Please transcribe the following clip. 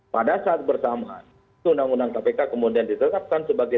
pada saat bersamaan undang undang kpk kemudian ditetapkan sebagai